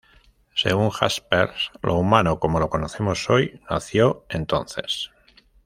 Según Jaspers, lo humano, como lo conocemos hoy, nació entonces.